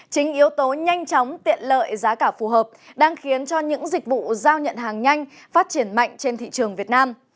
chính yếu tố nhanh chóng tiện lợi giá cả phù hợp đang khiến cho những dịch vụ giao nhận hàng nhanh phát triển mạnh trên thị trường việt nam